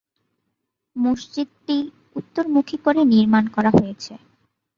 মসজিদটি উত্তরমুখী করে নির্মাণ করা হয়েছে।